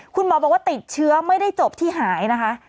คุณหมอบอกว่าติดเชื้อไม่ได้จบที่หายนะคะ